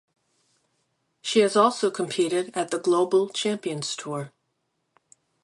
She has also competed at the Global Champions Tour.